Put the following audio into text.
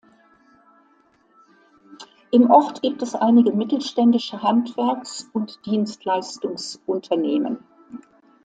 Im Ort gibt es einige mittelständische Handwerks- und Dienstleistungsunternehmen.